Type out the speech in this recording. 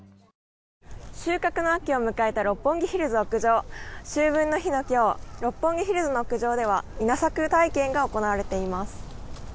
収穫の秋を迎えた六本木ヒルズ屋上秋分の日の今日六本木ヒルズの屋上では稲作体験が行われています。